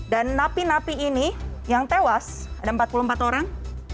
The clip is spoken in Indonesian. dan napi napi ini yang tewas ada empat puluh empat orang